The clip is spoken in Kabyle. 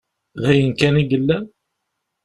D ayen kan i yellan?